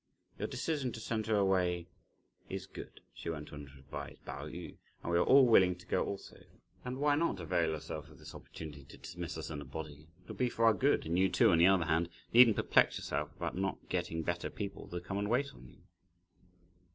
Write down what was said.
Your decision to send her away is good," she went on to advise Pao yü, "and we are all willing to go also; and why not avail yourself of this opportunity to dismiss us in a body? It will be for our good, and you too on the other hand, needn't perplex yourself about not getting better people to come and wait on you!"